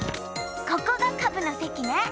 ここがカブのせきね。